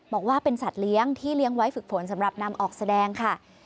บอกว่าเป็นสัตว์เลี้ยงที่เลี้ยงไว้ฝึกฝนสำหรับนำออกแสดงค่ะ